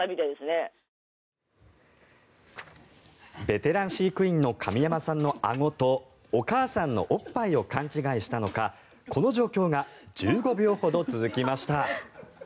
ベテラン飼育員の上山さんのあごとお母さんのおっぱいを勘違いしたのかこの状況が１５秒ほど続きました。